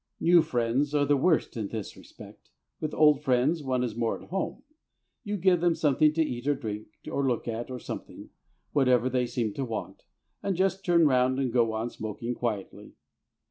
New friends are the worst in this respect. With old friends one is more at home; you give them something to eat or drink, or look at, or something whatever they seem to want and just turn round and go on smoking quietly.